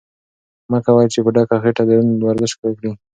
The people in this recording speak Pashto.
مه کوه چې په ډکه خېټه دروند ورزش وکړې.